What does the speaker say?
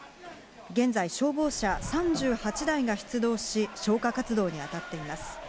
現在、消防車３８台が出動し、消火活動にあたっています。